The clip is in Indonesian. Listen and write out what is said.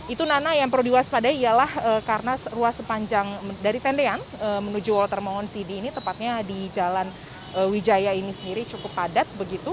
itu nana yang perlu diwaspadai ialah karena ruas dari tendean menuju walter mangon sidi ini tepatnya di jalan wijaya ini sendiri cukup padat begitu